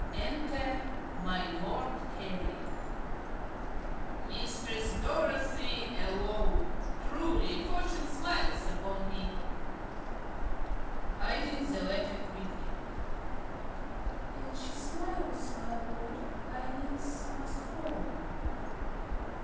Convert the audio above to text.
Enter My Lord Carey. ~Carey.~ Mistress Dorothy alone! Truly Fortune smiles upon me. ~Dorothy~ (hiding the letter quickly). An she smiles, my lord, I needs must frown.